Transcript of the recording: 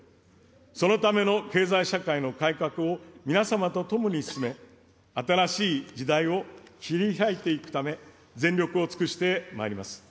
そのための経済社会の改革を皆様と共に進め、新しい時代を切りひらいていくため、全力を尽くしてまいります。